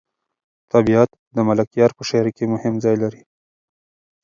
طبیعت د ملکیار په شعر کې مهم ځای لري.